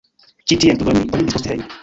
Ĉi tiajn studojn li daŭrigis poste hejme.